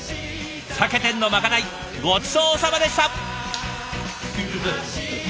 酒店のまかないごちそうさまでした。